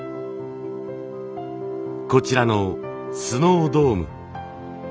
こちらのスノードーム。